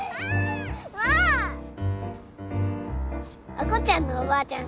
亜子ちゃんのおばあちゃん